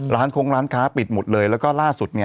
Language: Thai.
ล้านโครงล้านค้าปิดหมดเลยแล้วก็ล่าสุดอย่างนี้